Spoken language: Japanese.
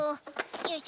よいしょ。